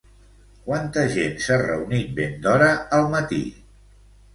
Quanta gent s'ha reunit ben d'hora al matí?